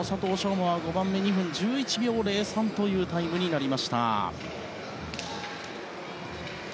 馬は５番目２分１１秒０３というタイムになりました。